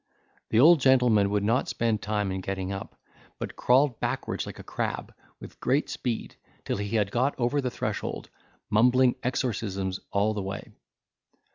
The old gentleman would not spend time in getting up, but crawled backwards like a crab, with great speed, till he had got over the threshold, mumbling exorcisms all the way.